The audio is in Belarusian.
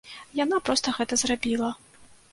Яна проста гэта зрабіла.